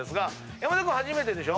山田君初めてでしょ？